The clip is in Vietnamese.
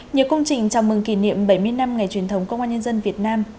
nhiều công trình chào mừng kỷ niệm bảy mươi năm ngày truyền thống công an nhân dân việt nam